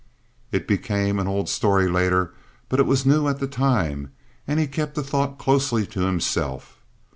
It became an old story later, but it was new at that time, and he kept the thought closely to himself.